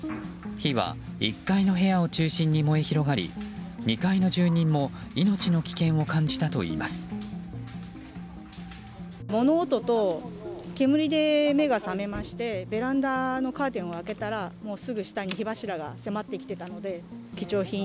火は１階の部屋を中心に燃え広がり２階の住人も命の危険を感じたといいます。